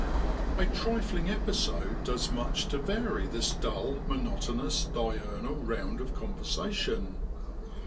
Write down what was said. A trifling episode does much to vary this dull, monotonous, diurnal round of conversation.